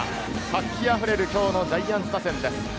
活気溢れる今日のジャイアンツ打線です。